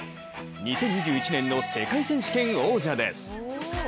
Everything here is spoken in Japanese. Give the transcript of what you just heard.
２０２１年の世界選手権王者です。